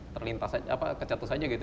terlintas aja apa kecatus aja gitu